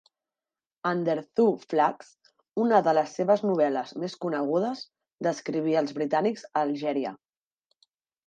Under Two Flags, una de les seves novel·les més conegudes, descrivia els britànics a Algèria.